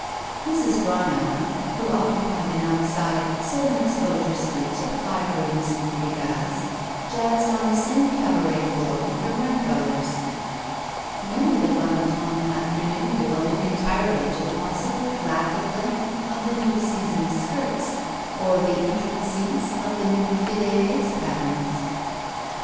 Mrs. Gronauer, who occupied an outside, south em exposure suite of five rooms and three baths, jazzed on the same cabaret floor with her grand daughters. Many the Bon Ton afternoon devoted entirely to the possible lack of length of the new season's skirts or the intricacies of the new filet lace patterns.